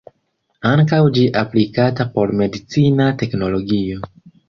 Ankaŭ ĝi aplikata por medicina teknologio.